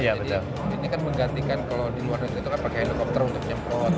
jadi ini kan menggantikan kalau di luar itu pakai helikopter untuk menyemprot